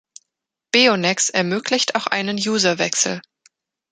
Beonex ermöglicht auch einen User-Wechsel.